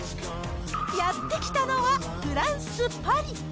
やって来たのはフランス・パリ。